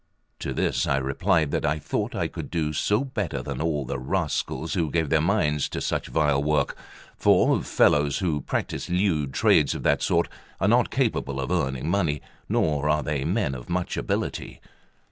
To this I replied that I thought I could do so better than all the rascals who gave their minds to such vile work; for fellows who practice lewd trades of that sort are not capable of earning money, nor are they men of much ability.